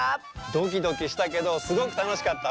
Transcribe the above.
ドキドキしたけどすごくたのしかった。